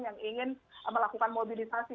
yang ingin melakukan mobilisasi